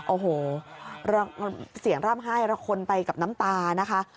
โอ้โหเสียงร่ำไห้ระคนไปกับน้ำตานะคะ